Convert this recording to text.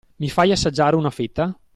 Mi fai assaggiare una fetta?